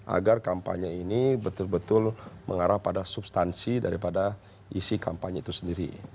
agar kampanye ini betul betul mengarah pada substansi daripada isi kampanye itu sendiri